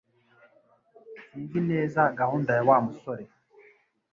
Sinzi neza gahunda ya Wa musore